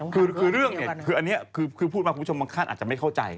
คือเรื่องเนี่ยคืออันนี้คือพูดมาคุณผู้ชมบางท่านอาจจะไม่เข้าใจ